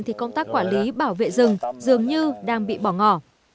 thì công tác quản lý bảo vệ rừng dường như đang bị bỏ ngỏ